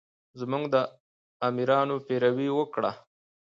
زمونږ د امرونو پېروي وکړه